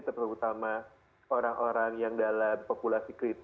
terutama orang orang yang dalam populasi kritis